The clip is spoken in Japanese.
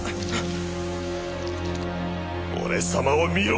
俺様を見ろ！